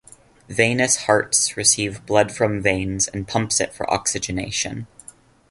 Venous hearts receive blood from veins and pumps it for oxygenation.